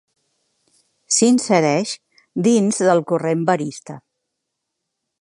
S'insereix dins del corrent verista.